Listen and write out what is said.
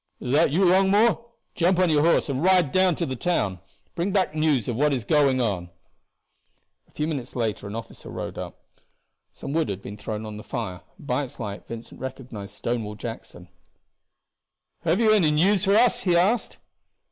"Is that you, Longmore? Jump on your horse and ride down to the town. Bring back news of what is going on." A few minutes later an officer rode up. Some wood had been thrown on the fire, and by its light Vincent recognized Stonewall Jackson. "Have you any news for us?" he asked.